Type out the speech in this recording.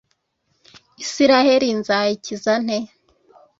israheli nzayikiza nte